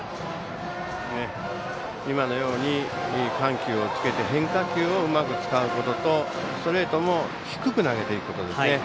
今のように緩急をつけて変化球をうまく使うこととストレートも低く投げていくことですね。